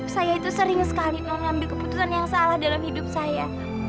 saya itu sering sekali mengambil keputusan yang salah dalam hidup saya